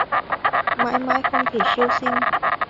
Mãi mãi không thể siêu sinh